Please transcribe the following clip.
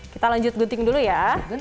kita lanjut gunting dulu ya